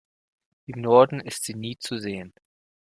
Im Norden ist sie nie zu sehen.